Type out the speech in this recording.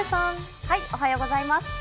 おはようございます。